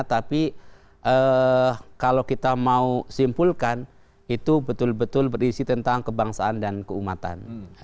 tapi kalau kita mau simpulkan itu betul betul berisi tentang kebangsaan dan keumatan